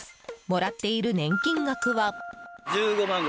もらっている年金額は。